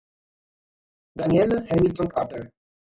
Danielle Hamilton-Carter